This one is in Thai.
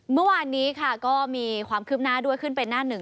เมื่อวานนี้ค่ะก็มีความคืบหน้าด้วยขึ้นเป็นหน้าหนึ่ง